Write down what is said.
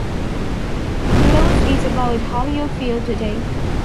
Blues is about how you feel today.